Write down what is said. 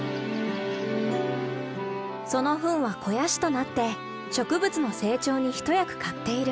そのフンは肥やしとなって植物の成長に一役買っている。